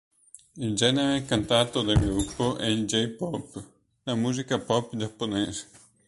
Il genere cantato dal gruppo è il "J-pop", la musica pop giapponese.